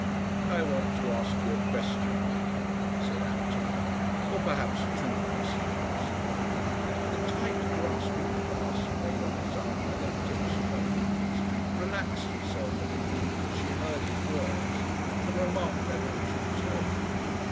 "I want to ask you a question, Nina," said Anton; "or perhaps two questions." The tight grasping clasp made on his arm by the tips of her fingers relaxed itself a little as she heard his words, and remarked their altered tone.